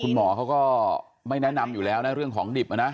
คุณหมอเขาก็ไม่แนะนำอยู่แล้วนะเรื่องของดิบนะ